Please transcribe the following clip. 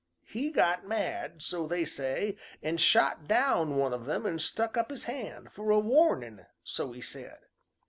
He got mad, so they say, an' shot down one o' them an' stuck up his hand fer a warnin', so he said.